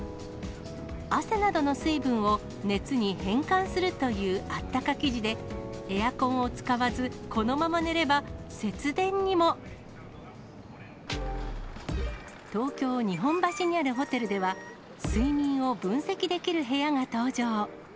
汗などの水分を熱に変換するというあったか生地で、エアコンを使わず、このまま寝れば、節電にも。東京・日本橋にあるホテルでは、睡眠を分析できる部屋が登場。